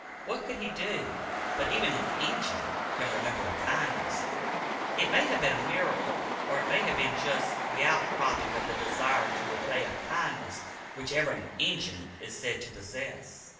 What could he do? But even an "Injun" can remember a kindness. It may have been a miracle, or it may have been just the out cropping of the desire to repay a kindness which even an "Injun" is said to possess.